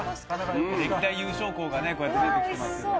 歴代優勝校がこうやって出てきてますけど。